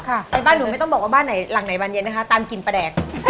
ไปบ้านหนูไม่ต้องบอกว่าบ้านไหนหลังไหนบานเย็นนะคะตามกลิ่นประแดก